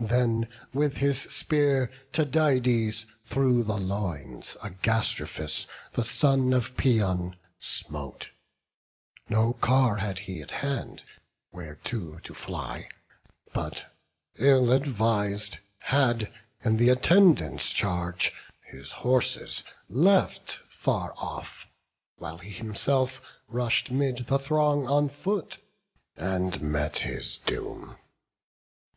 Then with his spear Tydides through the loins Agastrophus, the son of Paeon, smote; No car had he at hand, whereto to fly: But, ill advis'd, had in th' attendants' charge His horses left far off; while he himself Rush'd 'mid the throng on foot, and met his doom.